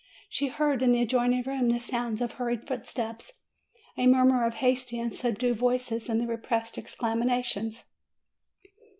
She heard in the adjoining room the sound of hurried footsteps, a murmur of hasty and subdued voices, and repressed exclamations.